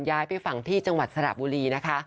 ย้ายไปฝั่งที่จังหวัดสระบุรีนะคะ